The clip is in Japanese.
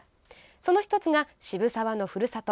その１つが、渋沢のふるさと